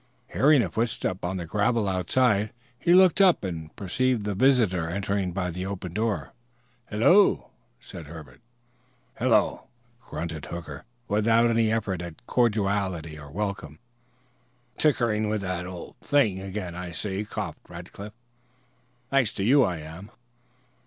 Hearing a footstep on the gravel outside, he looked up and perceived the visitor entering by the open door. "Hello," said Herbert. "Hello," grunted Hooker, without any effort at cordiality or welcome. "Tinkering with that old thing again, I see," coughed Rackliff. "Thanks to you, I am."